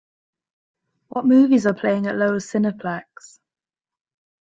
What movies are playing at Loews Cineplex?